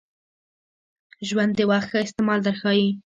ژوند د وخت ښه استعمال در ښایي .